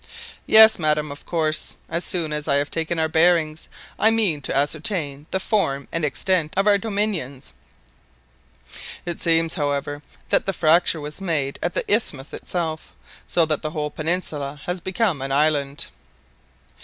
"Yes, madam, of course; as soon as I have taken our bearings, I mean to ascertain the form and extent of our dominions. It seems, however, that the fracture was made at the isthmus itself, so that the whole peninsula has become an island."